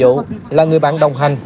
và đồng hành với các người bạn đồng hành